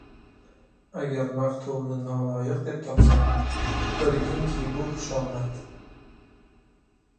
Agar maqtovni noloyik deb topsang, bilginki, bu xushomad.